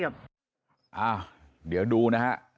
อะเดี๋ยวดูนะฮะ